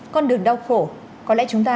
con đường đau khổ có lẽ chúng ta